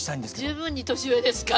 十分に年上ですから。